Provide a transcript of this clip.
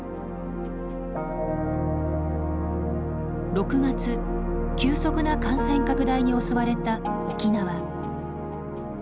６月急速な感染拡大に襲われた沖縄。